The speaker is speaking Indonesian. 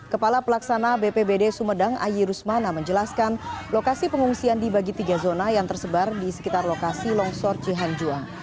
kepala pelaksana bpbd sumedang aji rusmana menjelaskan lokasi pengungsian dibagi tiga zona yang tersebar di sekitar lokasi longsor cihanjuang